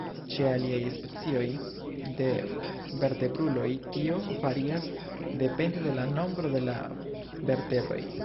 Ĉe aliaj specioj de vertebruloj tio varias depende de la nombro de la vertebroj.